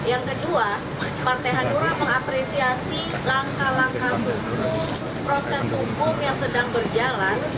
yang kedua partai hanura mengapresiasi langkah langkah hukum proses hukum yang sedang berjalan